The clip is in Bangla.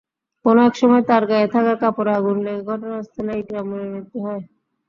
কোনো একসময় তাঁর গায়ে থাকা কাপড়ে আগুন লেগে ঘটনাস্থলেই ইকরামুলের মৃত্যু হয়।